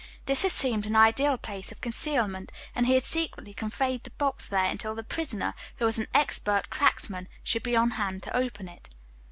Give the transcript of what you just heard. This had seemed an ideal place of concealment, and he had secretly conveyed the box there until the prisoner, who was an expert cracksman, should be on hand to open it.